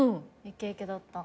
イケイケだった。